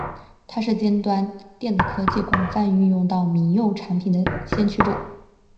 他是将尖端电子技术广泛运用到民用产品的先驱者。